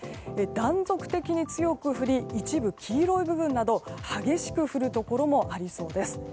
断続的に強く降り一部黄色い部分など激しく降るところもありそうです。